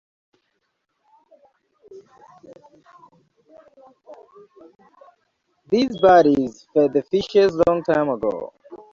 These bodies fed the fishes long time ago.